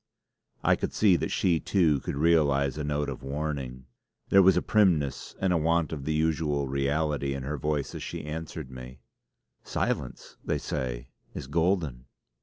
I could see that she, too, could realise a note of warning. There was a primness and a want of the usual reality in her voice as she answered me: "Silence, they say, is golden."